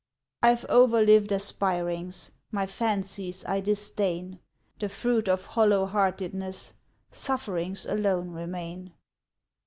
I've overlived aspirings, My fancies I disdain; The fruit of hollow heartedness, Sufferings alone remain.